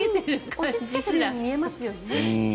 押しつけてるように見えますよね。